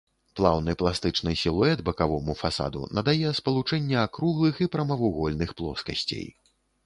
Плаўны пластычны сілуэт бакавому фасаду надае спалучэнне акруглых і прамавугольных плоскасцей.